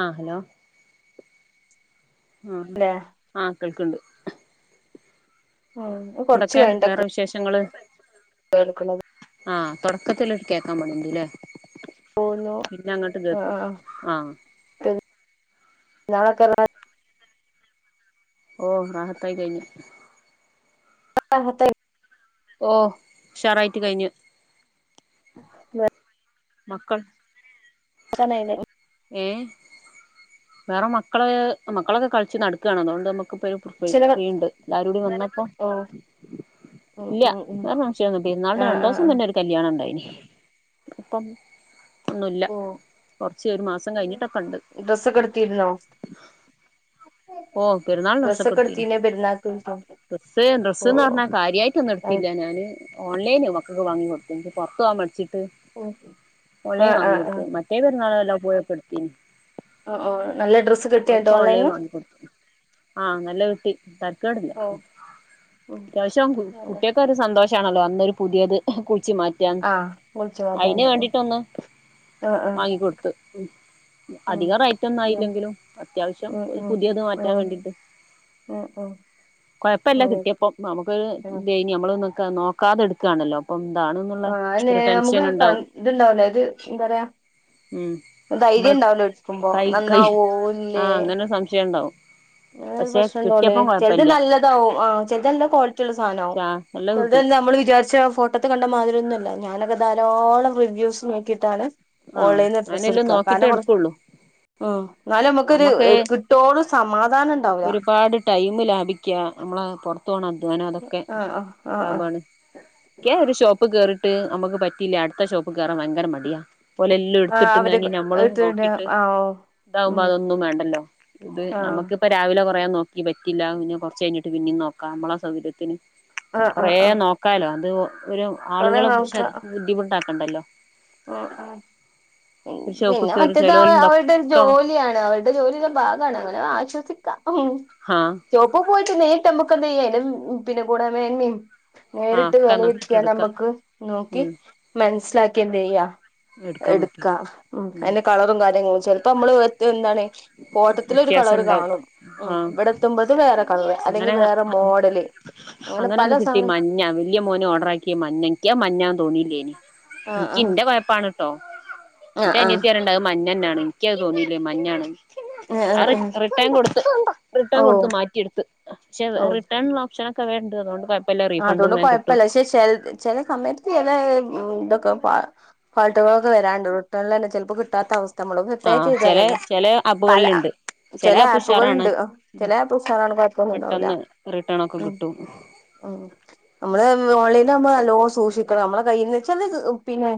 ആഹ് hello ആഹ് അല്ലെ ആഹ് ആ കേൾക്കുണ്ട് ആഹ് എന്തൊക്കെ വേറെ വിശേഷങ്ങള്? കേൾക്കുന്നത് ആഹ് തൊടക്കത്തില് ഒരു കേക്കാൻ പണിയുണ്ട്ല്ലേ പോന്നു ആഹ് ആഹ് ആ നാളക്കല്ലാ ഓ റാഹത്തായ് കഴിഞ്ഞ് റാഹത്തായി ഓ ഉഷാറായിട്ട് കഴിഞ്ഞു മ [unintelligible] മക്കൾ [unintelligible] ഏഹ് വേറെ മക്കള് മക്കളൊക്കെ കളിച്ച് നടക്കാണ് അതുകൊണ്ട് നമുക്കിപ്പഴും പ്പഴും ഫ്രീ ഉണ്ട് എല്ലാരൂടി വന്നപ്പൊ ഓ ഉം ഇല്ല ഉം ഉം വേറെ ഫങ്ക്ഷൻ ഒന്നൂല്യാ പെരുന്നാളുടെ ആഹ് രണ്ടു ആഹ് ദിവസം ആഹ് മുന്നെ ഒരു കല്യാണം ഉണ്ടായീന് ഇപ്പം ഒന്നു ഇല്ല ഓ കൊറച്ച് ഒരു മാസം കഴിഞ്ഞിട്ടൊക്കെ ഉണ്ട് ഡ്രസ്സൊക്കെ എടുത്തിരുന്നൊ? ഓ പെരുന്നാളിന് ഡ്രസ്സൊക്കെ എടുത്തീന് തീർച്ചയായിട്ടും ഡ്രസ്സ് ഡ്രസ്സ്ന്ന് പറഞ്ഞാ കാര്യായിട്ടൊന്നും ആഹ് എടുത്തില്ല ഞാന് ഓൺലൈന മക്കക്ക് വാങ്ങിക്കൊടുത്ത എനിക്ക് പൊ റത്തു പോവാൻ മടിച്ചിട്ട് ഓൺലൈൻ ആഹ് വാങ്ങി കൊടുത്ത് ആഹ് മ മറ്റേ പെരുന്നാള് വല്ലോം പോയൊ ക്കെടുത്തീന് ഓഹ് ഓ നല്ല ഡ്രസ്സ് കിട്ടിയ എന്നിട്ട് ഓൺലൈൻ ഓൺലൈനിൽ വാങ്ങി കൊടുത്തു ആഹ് നല്ല കിട്ടി തരക്കേടില്ല ഓ ഉം അത്യാവശ്യം കുട്ടികൽ ക്ക്‌ഒരു സന്തോഷമാണല്ലോ അന്നൊരു പുതിയത് കുളിച്ചി മാറ്റി റ്റാം ആഹ് വിളിച്ചു അയിന് മാറ്റാന് വേണ്ടീട്ട് ഒന്ന് ആഹ് ആഹ് വാങ്ങിക്കൊടുത്ത് ഉം അധികം റേറ്റ് ഒന്നും ഉം ആയില്ലെങ്കിലും അത്യാവശ്യം ഉം ഒരു ഉം പുതിയത് മാറ്റാൻ ഉം വേണ്ടീട്ട് ഉം ഉം കൊഴപ്പല്ല ഉം കിട്ടിയപ്പൊ നമുക്കൊരു ഉം ഞമ്മളൊന്നെക്കെ നോക്കാതെടുക്കാണല്ലോ എന്താണെന്നുള്ള ആഹ് അല്ലെ ഒരു നമുക്ക് ടെൻഷൻ ഉണ്ടാവും ഇതുണ്ടാവൂലേ ഇത് എന്താ പറയാ ഉം ധൈര്യം നമ്മള് ഉണ്ടാവൂലോ എടുക്കുമ്പോ കൈ കൈഹ് നന്നാവോ ഇല്ലേ ആഹ് അങ്ങനെ ഒരു സംശയം ഉണ്ടാവും അങ്ങനെ ഒരു പക്ഷെ പ്രശ്നംണ്ടോല്ലേ കിട്ടിയപ്പം ചെലത് കൊഴപ്പല്ല നല്ലതാവും ആ ചെലിത് നല്ല ക്വാളിറ്റി ഉള്ള സാധനാവും ചാ നല്ല ചെലത് കിട്ടും നമ്മള് വിചാരിച്ച ഫോ ട്ടത്ത് കണ്ട മാതിരി ഒന്നുല്ല ഞാനൊക്കെ ധാരാളം റിവ്യൂസ് നോക്കിയിട്ടാണ് ആഹ് ഓൺലൈന്ന് ഡ്രസ് ഞാനെല്ലാം എടുക്കുക നോക്കിട്ടേ കാരണം കൊറച്ച് എടുക്കുള്ളൂ ഉം എന്നാലും നമുക്കൊരു നമ്മുക്ക് കിട്ടോള് സമാദ ഒരുപാട് ടൈം ലാഭിക്കാ നമ്മള് പൊ റത്തോണം അധ്വാനം അതൊക്കെ ആഹ് ആഹ് ആഹ് ലാഭമാണ് ആഹ് ക്കേ ഒരു ഷോപ്പ് കേറിട്ട് നമുക്ക് പറ്റിയില്ലേ അടുത്ത ഷോപ്പ് കേറാൻ ഭയങ്കര മടിയാ ഓലെല്ലാം ആഹ് അവര് എടുത്തിട്ടുംങ്ങാനി നമ്മളും എടുത്തിട്ട് നോക്കീട്ട് ആഹ് പ്പ ഉം അതൊന്നും വേണ്ടല്ലോ ഇത് ന ആഹ് മ്മക്ക് ഇപ്പൊ രാവിലെ കുറയാ നോക്കി പറ്റില്ല പിന്ന കുറച്ച് കഴിഞ്ഞിട്ട് പിന്നും നോക്കാം നമ്മളെ സൗകര്യത്തിന് ആഹ് കൊറേ ആഹ് ആഹ് നോക്കാലോ അത് ഒരു കൊറേ ആളുകളെ പക്ഷെ ബുദ്ധിമുട്ടാക്കണ്ടല്ലോ ഉ ഒരു ഷോപ്പ് പിന്നെ കേറി മറ്റേത് അവ ചെലോലുണ്ട് അവരുടെ ഒരു ഒക്കെ ജോലിയാണ് അവരു ജോലിടേ ഭാഗാണ് അങ്ങനെ ആശ്വസിക്കാം. ആഹ് ഷോപ്പിൽ പോയിട്ട് നേരിട്ട് നമ്മുക്ക്‌ എന്ത് ചെയ്യാൻ പിന്നെ [unintelligible] ആഹ് ന്നെരിട്ട് ഒക്കെ നോക്കിട്ട് വേലയിരുത്തിയാ എടുക്കാം ന്നമ്മക്ക് നോക്കി ഉം മനസ്സിലാക്കി എന്ത് ചെയ്യുക എടുക്കാൻ പറ്റും എടുക്കുക ഉം അതിന്റെ കളറും കാര്യങ്ങളും ചിലപ്പോ നമ്മള് ഇതെന്താണ് ഫോട്ടത്തില് ഒരു വ്യത്യാസം കളറ് ഉണ്ടാവും കാണും ആഹ് ഇവടെ എത്തുമ്പോ അത് വേറെ കളർ അങ്ങനെ അങ്ങനെ പല ഒന്ന് കിട്ടി സാധനം മഞ്ഞ വല്യ മോന് ഓർഡറാക്കിയ മഞ്ഞ ഇക്ക്യ അത് മഞ്ഞാന്ന് തോന്നീല്ലേനി ആ ആ ഇൻക്കി ഇന്റെ കൊഴപ്പാണ് ട്ടോ? ആ ന്റെ ആ അനിയത്തിറിണ്ടഅ്‌ മഞ്ഞന്നാണ് ഇൻക്യഅ്‌ തോന്നിയില്ലേ മഞ്ഞാണ് ആ അത് ആ റിട്ടേൺ കൊടുത്ത് റിട്ടേൺ ഓ കൊടുത്ത് മാറ്റിയെടുത്ത് പക്ഷെ ഓ റിട്ടേണുള്ള ഓപ്ഷനൊക്കെ ഉണ്ട് അതുകൊണ്ട് കൊ അതോണ്ട് കൊഴപ്പല്ല പക്ഷെ ചെല സമയത്ത് ചെലേ തൊക്കെ പാ പാട്ടുകളൊക്കെ വരാണ്ട് റിട്ടൺലന്നെ ചെൽപ്പോ ക്ട്ടാത്ത അവസ് നമ്മള് പ്രിപ്പേർ ആഹ് ചെല ചെയ്തതല്ലെ ചെല പല ആപ്പുകളിലുണ്ട് ചെല ചില ആപ്പ് ഉഷാറാണ് ആപ്പുകളുണ്ട് ഉം ചില ആപ്പുകൾ സാധാരണ കൊഴപ്പവൊന്നും ഉണ്ടാവൂല പെട്ടെന്ന് റിട്ടേൺ ഒക്കെ ഉം കിട്ടും ഉം നമ്മള് ഓൺലൈൻ ആകുമ്പോ നല്ലോ സൂക്ഷിക്കണം നമ്മടെ കയ്യീന്ന് വെച്ചാല് പിന്നെ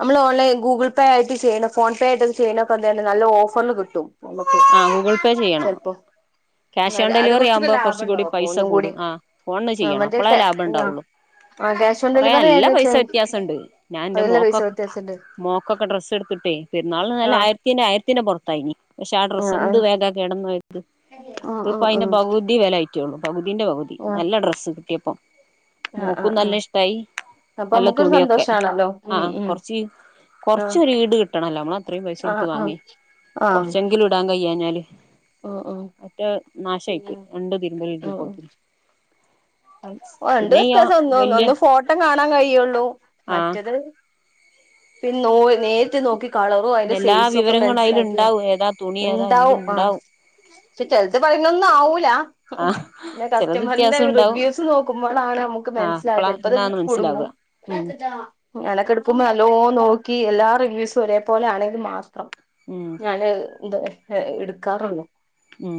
നമ്മള് ഓൺലൈൻ ഗൂഗിൾ പേ ആയിട്ട് ചെയ്യണം ഫോൺ പേ ആയിട്ട് ചെയ്യണെ എന്താണ് നല്ല ഓഫറിൽ കിട്ടും നമുക്ക് ആഹ് ഗൂഗിൾപേ ചെയ്യണോ ചിലപ്പോ ക്യാഷോൺ എന്നാല് അത് ഡെലിവറി കുറച്ചൊക്കെ ആവുമ്പൊ ലാഭം കൊറ്ച്ചു കൂടി ഉണ്ടാവും അപ്പൊ പൈസ ഒന്നും കൂടി കൂടും ആഹ് ഫോൺന്ന് ചെയ്യണം മറ്റേ അപ്പളേ ക്യാ ലാഭം ഇണ്ടാവൊള്ളു ആ ക്യാഷ് ഓൺ കൊറേ ഡെലിവറി നല്ല ആയെന്ന് പൈസ വെച്ചാ വ്യത്യാസണ്ട് ഞാൻ ഇന്റെ അതിനുള്ള പൈസ മോക്കൊക്കെ വ്യത്യാസണ്ട് മോക്കൊക്കെ ഡ്രസ്സ് എടുത്തിട്ടേ പെരുന്നാളിന് നല്ല ആഹ് ആയിരത്തിന്റെ ആയിരത്തിന്റെ പുറത്തായിനി ചാടറ ആഹ് എന്ത് വേ [unintelligible] ഗ കിടന്നത് ആഹ് ഇത്പ്പോ ആഹ് അതി ആഹ് ഭ അതി വെലയായിറ്റൊള്ളു പകുതിന്റ പകുതി ആഹ് നല്ല ഡ്രസ്സ് കിട്ടിയപ്പം ആഹ് ആഹ് മോക്കും ആഹ് ആഹ് നല്ല ഇഷ്ടായി അപ്പൊ നല്ല നമ്മുക്കൊരു തുണിയൊക്കെ സന്തോഷാണല്ലോ ഉം ആഹ് ഉം കൊറ്ച്ച് ആഹ് കുറച്ചൊരു ഈട് കിട്ടണോല്ലോ നമ്മള് അത്രയും പൈസ ആഹ് കൊടുത്ത് ആഹ് വാങ്ങി ആഹ് ചെങ്കില ഇടാൻ കയ്യാഞ്ഞാല് ഉം ഉം പറ്റെ പിന്നെ നാശമായിപ്പോയി രണ്ട് ഉം തിരുമ്പിഴപ്പോഴത്തിന് രണ്ട് ഈ വ്യത്യാസം ഒന്ന് വല്യ ഒന്ന് ഫോട്ടം കാണാൻ കഴിയൊള്ളു ആഹ് മറ്റേത് പിന്നെ നോക്കി നേര് നോക്കി കളറും അയിന്റെ എല്ലാ സെയ്സൊക്ക വിവരങ്ങളും മൻസ്സിലാക്കി അയില്ണ്ടാവും ഏതാ തുണി ഏതാ എല്ലും ഇണ്ടാവും ആഹ് ഉണ്ടാവും പക്ഷെ ചിലത്ത് പറയുന്നൊന്നും ആവൂല ആഹ് പിന്ന ചെലത് കസ്റ്റമറിന്റെ വ്യത്യാസം ഉണ്ടാവും റിവ്യൂസ് നോക്കുമ്പളാണ് നമ്മക്ക് ആഹ് മൻസ്സിലായ അപ്പളാ ചെൽപ്പൊ അത് പിന്നാണ് കുടുങ്ങും മനസ്സിലാവുക ഉം ഞാനക്കെ എടുക്കുമ്പൊ നല്ലോ നോക്കി എല്ലാ റിവ്യൂസും ഒരേ പോലെ ആണെങ്കി മാത്രം ഉം ഞാന് എന്ത ഏഹ് എടുക്കാറുള്ളു ഉം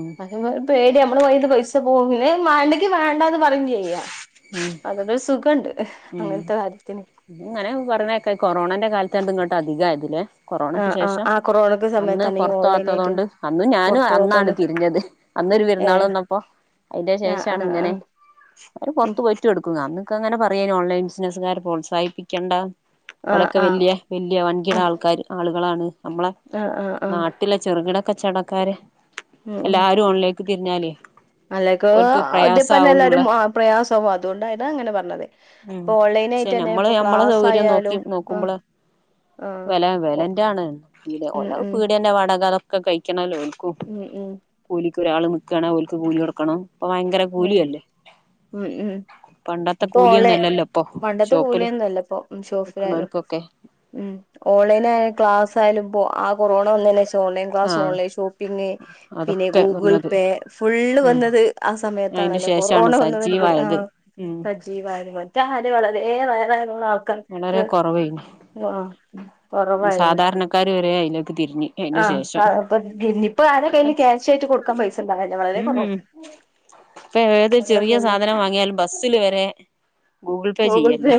ഒരു പേടിയ നമ്മള് കയ്യീന്ന് പൈസ പോവോ പിന്നെ അത് മാണ്ടെങ്കി മാണ്ടാന്ന് പറയും ചെയ്യാ ഉം അതൊരു സുഖുണ്ട് അങ്ങനത്തെ കാര്യത്തിന് അങ്ങനെ പറഞ്ഞ കേക്കാം കൊറോണേന്റെ കാലത്ത് ഇങ്ങോട്ട് അധികവാ അതില് ആ കൊറോണക്ക് ആ ശേഷം ആ കൊറോണക്ക് അന്ന് സമയത്താണ് ഈ പൊറത്ത് ഓൺലൈൻ പോവാത്തത് ആയിട്ട് കൊണ്ട് അന്നും ഞാനും പുറത്തു അന്നാണ് പോവാത്തോണ്ട് തിരിഞ്ഞത് അന്നൊരു ഏ പെരുന്നാള് വന്നപ്പോ അതിന്റെ ആ ആ ശേഷാണ് ആ ഇങ്ങനെ ആ അവര് പൊറത്ത് പോയി എടുക്കുക അന്നൊക്ക ഇങ്ങനെ പറയേനു ഓൺലൈൻ ബസിനസ്കാരെ പ്രോത്സാഹിപ്പിക്കേണ്ട ആ ഓലക്ക ആ വല്യ വല്യ വൻകിട ആൾക്കാര് ആളുകളാണ് നമ്മളെ ആ ആ ആ നാട്ടിലെ ചെറുകിട കച്ചവടക്കാര് എല്ലാരും ഓൺലൈൻലേക്ക് തിരിഞ്ഞാലെ അല്ലേക്ക ഇതെപ്പന്നെ എല്ലാരും പ്രയാസാവും അതു കൊണ്ടേയിരൂ അങ്ങനെ പറഞ്ഞത് ഉം ഇപ്പൊ ഓൺലൈൻ പക്ഷേ ആയിട്ട് തന്നെ നമ്മള് ഇപ്പൊ നമ്മളെ ക്ലാസ് സൗകര്യം നോക്കി ആയാലും ആ നോക്കുമ്പള് ആ വില വിലന്റാണ് ഉം ഓല് ഉം പീടിയന്റെ വടക അതൊക്കെ കഴിക്കണല്ലോ ഓൽക്കും ഉം ഉം കൂലിക്ക് ഒരാൾ നിക്കാണെ ഓൽക്ക് കൂലി കൊടുക്കണം ഇപ്പ ഭയങ്കര ആഹ് കൂലിയല്ലേ ഉം ഉം പണ്ടത്തെ ഇപ്പൊ ഓളെ കൂലിയൊന്നുംല്ലല്ലോ ഇപ്പൊ പണ്ടത്തെ ഷോപ്പില് കൂലിയൊന്നും അല്ല ഇപ്പൊ ഷോപിലായാലും നിക്ക്ണോൽക്കൊക്കെ ഉം ഓൺലൈനായ ക്ലാസ്സായാലും ഇ ആ കൊറോണ വന്നയ്ന് ശേഷം ഓൺലൈൻ ക്ലാസ്, ആഹ് ഓൺലൈൻ ഷോപ്പിംഗ്, പിന്നെ അതൊക്കെ ഗൂഗിൾ വന്നത് പേ ഫുള്ള് ഉം വന്നത് ആ, അയിന്റെ സമയത്താണല്ലോ ശേഷാണ് കൊറോണ വന്നതോടു കൂടി ആ സജീവായത് ഉം സജീവായത് മറ്റേ ആര് വളരേ റയറായിരുന്ന വളരെ ആൾക്കാർക്ക് കൊറവേയ്നി ആഹ് സാധാരണക്കാര് വരെ അതിലേക്ക് തിരിഞ്ഞു ആഹ് ഇപ്പ ഇ ഇപ്പൊ ആരെ കയ്യിൽ ക്യാഷ് ആയിട്ട് കൊടുക്കാൻ പൈസണ്ടാവില്ല വളരെ ഉം കുറവാ ഇപ്പൊ ഏത് ചെറിയ സാധനം വാങ്ങിയാലും ബസ്സില് വരെ ഗൂഗിൾ പേ ചെയ്യല്ലേ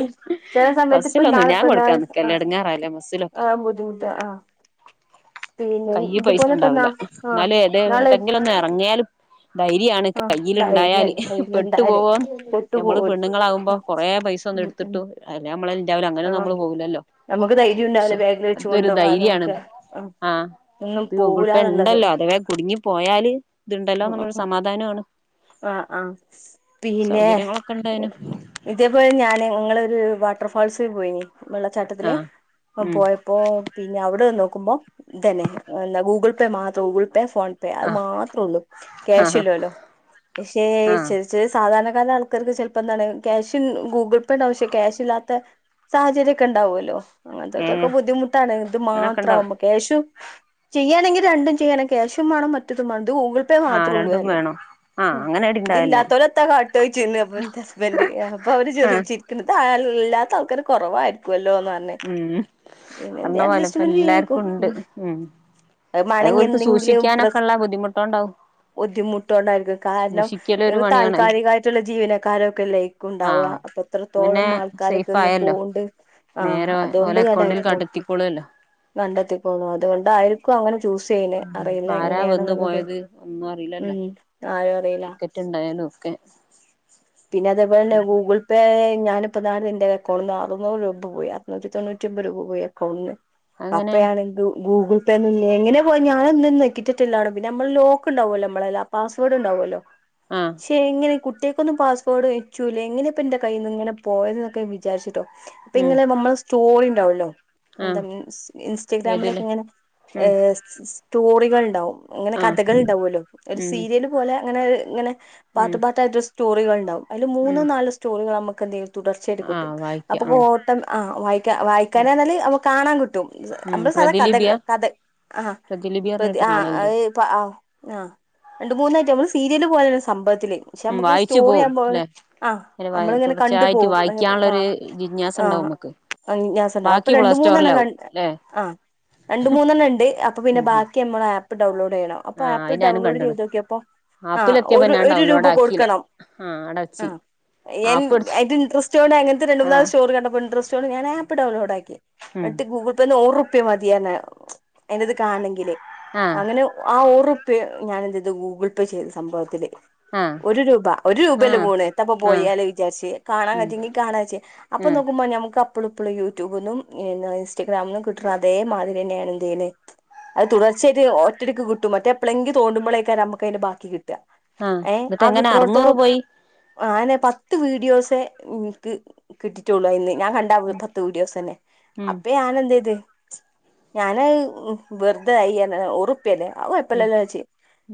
ചില സമയത്ത് ഇപ്പ ബസ്സിലൊന്നു നാളെ ഞാൻ ഇപ്പ കൊടുക്കാ നാളെ നിക്കല്ലേ ആഹ് എടുങ്ങാറല്ലേ ബസ്സില ആഹ് ബുദ്ധിമുട്ട് ആഹ് പിന്നെ കൈയിൽ പൈസ ഇതുപോലെ ഇപ്പ നാ ഉണ്ടാവില്ല ആഹ് എന്നാലും ഏത് നാളെ ഏട്ടെങ്കിലും ഇറങ്ങിയാലും ധൈര്യാണ് ആഹ് കയ്യിൽ ഇണ്ടായാല് പെട്ടു ഉണ്ടായാല് പോവോ പെട്ടു ഞമ്മള് പോവൂലെ പെണ്ണുങ്ങളാകുമ്പോ കൊറെ പൈസ ഒന്നും ഉം ഉം എടുത്തിട്ടു അല്ല നമ്മളെ ഉണ്ടാവൂലാ അങ്ങനെ ഒന്നും ആഹ് നമ്മള് പോവില്ലല്ലോ നമുക്ക് ധൈര്യം ഉണ്ടാവില്ല പക്ഷെ ബാഗിൽ വെച്ച് ഇതൊരു ധൈര്യണ് കൊണ്ടുപോകാനൊക്കെ ആഹ് ഒന്നും ഇത് ഗൂഗിൾ പേ പോവൂലാന്നുള്ളത് ഉണ്ടല്ലോ അഥവാേ കുടുങ്ങി പോയാല് ഇത്ണ്ടല്ലോ എന്നുള്ളൊരു സമാധാനമാണ് ആഹ് ആഹ് പിന്നെ സൗകര്യങ്ങളൊക്കെ ഉണ്ട് അതിന് ഇതേപോലെ ഞാന് ഞങ്ങളൊരു വാട്ടർ ഫാൾസ് പോയിനി വെള്ളച്ചാട്ടത്തില് ആഹ് ആ ഉം പോയപ്പോ പിന്നെ അവിടെ നോക്കുമ്പോ ഇതന്നെ ഗൂഗിൾ പേ മാത്രം ഗൂഗിൾ പേ ഫോൺ പേ പേ അത് ആഹ് മാത്രേ ഉള്ളൂ ക്യാഷ് ആഹ് ഇല്ലേ ലോ പക്ഷേ ആഹ് പക്ഷേ സാധാരണകാരായ ആൾക്കാർക്ക് ചിലപ്പോ എന്താണ് ക്യാഷ് ഗൂഗിൾ പേന്റെ ആവശ്യ ക്യാഷ ഇല്ലാ സാഹചര്യ ഒക്കെ ഉണ്ടാവു അല്ലോ അങ്ങനത്തൊക്കൊക്കെ ഏഹ് ബുദ്ധിമുട്ടാണ് ഇത് അങ്ങനൊക്കെ മാത്ര ഉണ്ടാവും മാവുമ്പൊ ക്യാഷും ചെയ്യാനെങ്കിൽ രണ്ടും ചെയ്യാന ക്യാഷും വേണം മറ്റതും വാണം ഇത് ഗൂഗിൾ പേ പ്പെ ആഹ് മാത്രള്ളൂ രണ്ടും പറഞ്ഞി വേണം ആഹ് അങ്ങനെ അടി ഉണ്ടാവില്ല ഇതില്ലാത്തോരത്താ കാട്ടാ ചോദിച്ചിരുന്നു അപ്പൊ എന്റെ ഹസ്ബന്റ് അപ്പൊ അവര് ആഹ് ചരിച്ച് ഇതാരും ഇല്ലാത്ത ആൾക്കാർ കുറവായിരിക്കും ല്ലോന്ന് പറഞ്ഞി ഉം പിന്നെ എന്ത് പറഞ്ഞ പോലെ ഇപ്പ അഡ്ജസ്റ്റ്മെന്റ് ചെയ്യേക്കും എല്ലാർക്കും ഉണ്ട് ഉം അത് വേണെങ്കി ഓൽക്ക് എന്തെങ്കിലും പ്ര സൂക്ഷിക്കാനൊക്കെ ഉള്ള ബുദ്ധിമുട്ടുണ്ടാവും ബുദ്ധിമുട്ടോണ്ടായിരിക്കും കാരണം സൂക്ഷിക്കല് ഒരു ഇത്‌ പണിയാണല്ലോ താൽക്കാലികായിട്ടുള്ള ജീവനക്കാരൊക്കെ അല്ലെയ്ക്കും ഉണ്ടാവാ ആഹ് അപ്പൊ എത്രത്തോളം പിന്നെ ആൾക്കാരൊക്കെ സേഫ് ഒന്ന് ആയല്ലോ പോകണ്ട് നേരെ ഓലെ അക്കൗണ്ടിൽക്ക് എത്തിക്കോളു അല്ലോ കണ്ടെത്തിപ്പോണു അതുകൊണ്ട് ആയിരി അങ്ങനെ ചൂസ് ചെയ്യന് അറിയില്ല ആരാ എങ്ങനെയാണ് വന്നു എന്നുള്ളത് പോയത് ഉം ആരും അറിയില്ല ട്ടുണ്ടായാലും ഒക്കെ പിന്നെ അതെ പോലെന്നെ ഗൂഗിൾ ഇപ്പ ഞാനിപ്പതാ എന്റെ അക്കൗണ്ടിൽ നിന്ന് അറുന്നൂറ് രൂപ പോയി അറുന്നൂറ്റി തൊണ്ണൂറ്റിമ്പത് രൂപ പോയി അക്കൗണ്ടിൽ നിന്ന് അപ്പ അങ്ങനെ ഞാനെന്ത് ഗൂഗിൾ പി എങ്ങനെ പോയി ഞാൻ ഒന്നും നെക്കിട്ടില്ലാണും പിന്നെ നമ്മള് ലോക്ക് ഉണ്ടാവുമല്ലോ നമ്മളെല് പാസ് വേർഡ് ഉണ്ടാവു അല്ലോ ആഹ് പക്ഷെ എങ്ങനെ കുട്ടിക ന്നും പാസ്പോർട്ട് നിച്ചൂല്ലാ എങ്ങനെ ഇപ്പം എന്റെ കയ്യിൽ നിന്ന് ഇങ്ങനെ പോയത് ന്നൊക്കെ ഞാൻ വിചാരിച്ചിട്ടോ അപ്പം ഉം ഇങ്ങനെ നമ്മ സ്റ്റോറി ഇണ്ടാവല്ലോ ആഹ് എന്താ ഏതില് ഇൻസ്റ്റഗ്രാമിലൊക്കെ ഇങ്ങനെ ഉം ഏഹ് സ്റ്റോറികൾ ഇണ്ടാവും ഇങ്ങനെ ആഹ് കഥകൾ ഇണ്ടാവു അല്ലോ ഒരു ഉം സീരിയേല് പോലെ അങ്ങനെ ഇങ്ങനെ പാർട്ട് ഉം പാട്ട് ആയിട്ടില്ല സ്റ്റോറികൾണ്ടാവും അയില് മൂന്നൊ ഉം നാലോ സ്റ്റോറികൾ നമുക്കെന്തെയ്യും തുടർച്ചായിറ്റ് കിട്ടും ആഹ് വായിക്ക അപ്പൊ ആഹ് കോട്ടം ആ വായിക്കാ വായിക്കാന എന്നാൽ അപ്പൊ കാണാൻ കിട്ടും ഉം അമ്മള് സധാ കഥ പ്രതിലിപിയ കഥ ആ പ്രതിലിപി കൃതി പറഞ്ഞിട്ട് ആ അ കാണലുണ്ട് ഇ പ്പ ആ ആഹ് രണ്ട് മൂന്നായിട്ട് അമക്ക് സീരിയല് പോലോ സംഭവത്തില് പക്ഷെ ഉം അമക്ക് വായിച്ചു സ്റ്റോറി പോവും ആവുമ്പോ ല്ലെ ആ അമ്മളിങ്ങനെ കണ്ടു തുടർച്ചയായിട്ട് പോകും. ആ വായിക്കാനുള്ളൊരു ജിജ്ഞാസ ഉണ്ടാവും ആഹ്. നമുക്ക് [unintelligible] അപ്പൊ ബാക്കി പ്ലേ രണ്ട് മൂന്നെണ്ണം ക സ്റ്റോറിലാവും ല്ലേ ആ രണ്ട് മൂന്നെണ്ണം ഇണ്ട് അപ്പൊ പിന്നെ ബാ ക്കി അമ്മളെ ആപ്പ് ഡൗൺലോഡ് ചെയ്യണം. അപ്പൊ ആഹ് ആപ്പ് അത് ഞാനും ഡൗൺലോഡ് കണ്ടണ് ചെയ്തോക്കിയപ്പോ ആഹ് ഒരു ഒരു രൂപ കൊട്ക്കണം. ആഹ അടെ ആ ൻ ഞൻയിഇൻറസ്റ്റ് കൊണ്ട് അങ്ങനത്തെ രണ്ട് ആഹ് മൂന്നാമത്തെ സ്റ്റോറി കണ്ട അപ്പോ ഇൻടറസ്റ്റ്ണ്ട് ഞാനാ ആ ആപ്പ് ഡൗൺലോഡ് ആക്കി ഉം ഇന്നട്ട് ഗൂഗിൾ പേന്ന് ഓറുപ്യ മതിയെന്നർഞ് അതിന്റെത് കാണണെങ്കില് ആഹ് അങ്ങനെ ആ ഓറുപ്യ ഞാന് എന്ത് ചെയ്തു ഗൂഗിൾ പേ ചെയ്ത് സംഭവത്തില്. ആഹ് ഒരു രൂപ ഒരു രൂപല്ലേ ആഹ് പോണേ എത്തപ്പൊ ആഹ് പോയാല് വിചാരിച്ച് കാണാൻ ഉം കജുവെങ്കി കാണാവെച്ച് അപ്പൊ ആഹ് നോക്കുമ്പൊ ഞമ്മക്ക് അപ്പളും ഇപ്പളും യൂടൂബിന്നും ഇൻസ്റ്റാഗ്രാമിന്നും കിട്ട്ണെ അതേ മാതിരിന്നെണ് എന്തെയ്യല്. അത് തുടർച്ചയിറ്റ് ഒറ്റടിക്ക് കിട്ടും മറ്റേ എപ്പളെങ്കി തോണ്ടുമ്പളെയ്ക്കാരം അമ്മക്ക് അതിന്റെ ബാക്കി കിട്ട ആഹ് ഏഹ് എന്നിട്ട് ആ എങ്ങനെ അറുന്നൂറ് കിട്ട്ണോട്ത്തോളം പോയി ആ അയന്നെ പത്ത് വീഡിയോസെ ഇൻക്ക് കിട്ടിറ്റൊള്ളു അയിന്ന് ഞാൻ കണ്ട ഉം [unintelligible] പത്ത് വീഡിയോസന്നെ ഉം അപ്പൊ ഞാൻ എന്ത് ചെയ്ത്. ഞാന് വെർതെ ആയി ഒറു പ്പല്യെ അത് ഉം കുഴപ്പല്ലല്ലോ വെച്ച്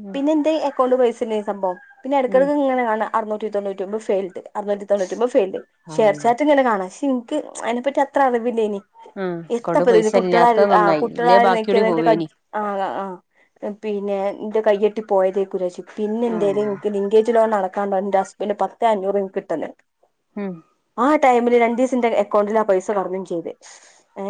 ഉം പിന്നെ ഇന്റെ അക്കൗണ്ട് പൈസണ്ടെനിം സംഭവം പിന്നെ ഉം എടക്കെടക്ക് ഇങ്ങനെ കാണാ. അറുന്നൂറ്റി തൊണ്ണൂറ്റിഒമ്പത് ഫെയിൽഡ് അറുന്നൂറ്റി തൊണ്ണൂറ്റിഒമ്പത് ഫെയിൽഡ് ഷെയർ അള്ളാ ചാറ്റ് ഇങ്ങന കാണാ ശേ ഇൻ ക്ക് അതിനെപ്പറ്റി അത്ര അറിവില്ലെയ്നി. ആഹ് അക്കൗണ്ട് എത്തപ്പ പൈസ കുട്ടികള ആരെ ഇല്ലാത്തത് ആ് നന്നായി ഇല്ലേ കുട്ടളായി ബാക്കിയൂടി നെക്കിയന്റെ കജ്‌ പോവേനി ആഹ് ആ പിന്നെ ഇന്റെ കൈയ്യട്ടി പോയതേക്കുചാരിച്ചു. പിന്നെ ഇന്റേല് അള്ളാ ഇൻക്ക് ലിങ്കേജ് ലോൺ അടക്കാൻ പ ഇന്റെ ഹസ്ബൻഡ് പത്തെഅഞ്ഞൂറ് ഇൻക്ക് ഇട്ടെന്ന്. ഉം ആ ടൈമില് രണ്ടീസം ഇന്റെ എക്കൗണ്ടില് ആ പൈസ കടന്നും ചെയ്ത്. ഏ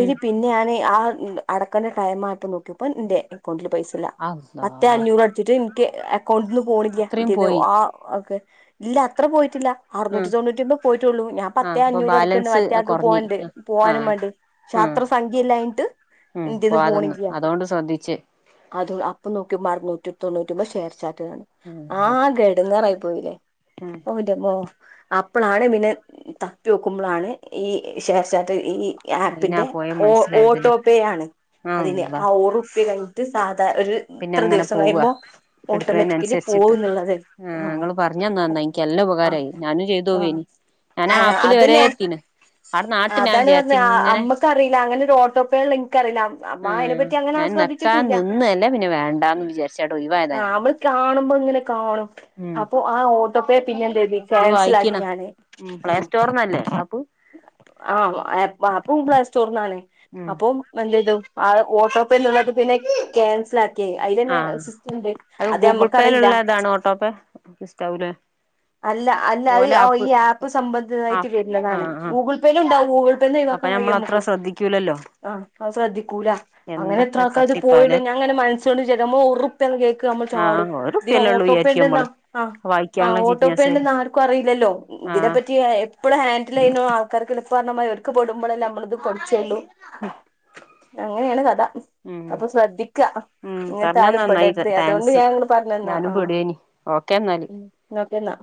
ഉം പിന്നെഞാന് ആ ഇ. അടക്കണ്ട ടൈം മായപ്പൊ നോക്കിയപ്പോ ഇന്റെ എക്കൗണ്ടില് പൈസല്ല. അള്ളാ പത്തെഅഞ്ഞൂറ് അടച്ച്ട്ട് ഇൻക്ക്. ക്ണ്ട്ന്ന് പോണില്ല അത്രയും ഇന്റീന്ന് പോയി ആ ഒക്കെ ഇല്ല അത്ര പോയിറ്റില്ല. അറുന്നൂറ്റി ആഹ് തൊണ്ണൂറ്റിഒൻപത് പോയിറ്റൊള്ളൂ ഞാൻ ആഹ് പത്തേ അപ്പൊ അഞ്ഞൂറ് അട്ക്ക്ണ്ട് ബാലൻസ് മറ്റേ ആക്ക് കുറഞ്ഞ് പോവ്ണ്ട് പോവാനും ആഹ് മാണ്ടി ശാ ഉം അത്ര സംഖ്യല്ലായിട്ട്. ഉം പോവതെന്നു അതോണ്ട് ശ്രദ്ധിച്ച്. അതും അപ്പൊ നോക്കിയുമ്പോ അറുന്നൂറ്റി തൊണ്ണൂറ്റിഒമ്പ ഷെയർച്ചാറ്റ്ന്നാണ് ആകെ എടങ്ങേ. ങ്ങേറായി പോയില്ലേ ഒ ഹ് ന്റമ്മോ അപ്പളാണ് പിന്നെ തപ്പി യോക്കുമ്പോളാണ് ഈ ഷെയർ ചാറ്റ് ഈ അയിനാ ആപ്പിന്റെ പോയ ഓ മനസ്സിലായതില് ഓട്ടോപേ ആണ് അതിന് അള്ളാ ആ ഓറുപ്പ്യ കഴി ഞ് സാധാര ഒരു പിന്നെ ഇത്ര അങ്ങനെ ദിവസം പോവ കഴിയുമ്പോ ഓട്ടോമാറ്റിക്കലി എടുക്കണേനനുസരിച്ചിട്ട് പോകും എന്നുള്ളത്. ആഹ് ഇങ്ങള് പറഞ്ഞ നന്നായി ഇൻക്ക് നല്ലാ ആഹ് ഉപകാരമായി ഞാനും ചെയ്തു പോവേ. ആഹ് ഞാൻ ആഹ് ആപ്പില് വരെ അതന്നെ എത്തീണ് അതാണ് പറഞ്ഞത് അമ്മക്കറീല. അങ്ങനെ ഒരു ഓട്ടോ പേ ഇള്ളത് ഇൻക്ക് അറിയില്ല. അമ്മ അതിനെ പറ്റി അങ്ങനെ ആ ശ്രേദ്ധിക്ക ക്കാ നിന്നതന്നെ പിന്നെ വേണ്ടാന്ന് വിചാരിച്ച് അട് ഒഴിവായതാ ആഹ് ഞാന്. നമ്മള് കാണുമ്പോ ഇങ്ങനെ കാണും ഉം അപ്പൊ ആ ഓട്ടോ പേ പിന്നെ എന്ത് ചെയ്ത്. ഇത് വായിക്കിണ ഉം പ്ലേ സ്റ്റോർന്നല്ലേ ആപ്പ്. ആഹ് ഏ ആപ്പും പ്ലേ സ്റ്റോർന്നാണ് ഉം അപ്പൊം പ്പ എന്തെയ്തു ആ ഓട്ടോ പേ എന്നുള്ളത് പിന്നെ ക്യാൻസലാ ക്കെ അയിലന്നെ ആഹ് സിസ്റ്റണ്ട്. അത് ഞമ്മക്കറീല്ല. [unintelligible] ഇസ്റ്റാവൂലെ. അല്ല അല്ല അത് ഈ ആപ്പ് സംബന്ധിതായിട്ട് ആഹ് വര്നതാണ്. ആഹ് ആഹ് ഗൂഗിൾ പേലൂണ്ടാവും ഗൂഗിൾ ഇപ്പ ന്നെ അപ്പൊ ഒഴിവാക്കാൻ ഞമ്മൾ അത്ര കയുമ്മക്ക് ശ്രദ്ധിക്കൂലല്ലോ ആഹ് അത് ശ്രദ്ധിക്കൂല. അങ്ങനെ എത്ര എന്തൊക്കെ ആൾക്കാരത് പോയിണ്ട് തട്ടിപ്പാലേ ഞാൻ ങ്ങനെ മനസ്സോണ്ട് വിചാരിക്കാ നമ്മളൊറു പ്യാന്ന് കേക്കാ നമ്മൾ ആഹ് ചാടും. ഇതിന് ഒരുർപ്യല്ലേ ഉള്ളൂ ഓട്ടോ പേ വിചാരിക്കും ണ്ട് ന്നാ. നമ്മള് ആഹ് ആഹ് വായിക്കാനുള്ള ഓട്ടോ പേ ഉണ്ട് ജിജ്ഞാസേല് ന്ന് ആർക്കും അറീല്ലല്ലോ. ആഹ് ഇതിനെപ്പറ്റി എപ്പളും ഹാൻഡിലെയ്യ് ണ ആൾക്കാര്ക്കല്ലേ ഇപ്പർഞമാതിരി ഒരിക്കെ പെടുമ്പളല്ലേ ഞമ്മള്ത് പഠ്ച്ചൊള്ളു. ഹും അങ്ങനേണ് കഥ. അപ്പ ശ്രദ്ധിക്ക. ഉം ഇങ്ങൻത്തെ ആരും പറഞ്ഞന്നാ നന്നായി പെടര്ത്. അതോണ്ട് താങ്ക്സ് ഞാൻങ്ങനെ പർഞ്ഞന്നാ ഞാനും ആഹ്. പെടേനി ഓക്കെ ന്നാ ഉം നോക്കെന്നാ